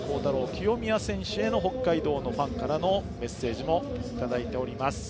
清宮選手への北海道のファンからのメッセージもいただいております。